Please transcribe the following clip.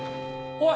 おい。